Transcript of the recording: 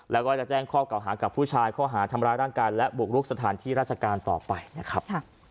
แล้วก็จะแจ้งข้อเก่าหากับผู้ชายข้อหาทำร้ายร่างกายและบุกรุกสถานที่ราชการต่อไปนะครับ